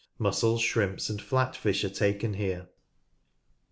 Mussels, shrimps, and flat fish are taken here.